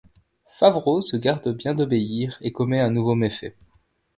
Favraux se garde bien d'obéir et commet un nouveau méfait.